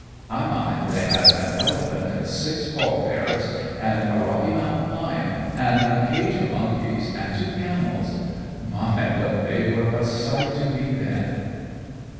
I mind they had an elephant and six poll parrots, an' a Rocky Mountain lion, an' a cage of monkeys, an' two camels. My! but they were a sight to me then!"